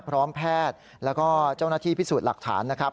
พร้อมแพทย์แล้วก็เจ้าหน้าที่พิสูจน์หลักฐานนะครับ